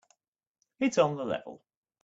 It's on the level.